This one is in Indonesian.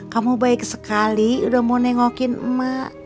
kamu baik sekali udah mau nengokin emak